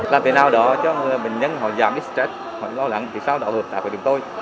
làm thế nào đó cho bệnh nhân họ giảm cái stress họ lo lắng thì sao đó hợp tạp với chúng tôi